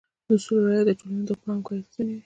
د اصولو رعایت د ټولنې د غړو همکارۍ تضمینوي.